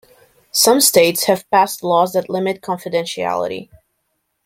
Some states have passed laws that limit confidentiality.